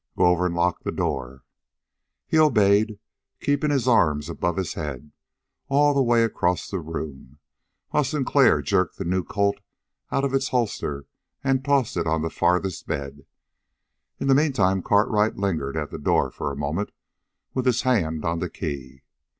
"Go over and lock the door." He obeyed, keeping his arms above his head, all the way across the room, while Sinclair jerked the new Colt out of its holster and tossed it on the farthest bed. In the meantime Cartwright lingered at the door for a moment with his hand on the key.